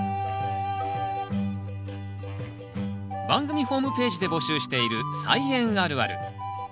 番組ホームページで募集している「菜園あるある」。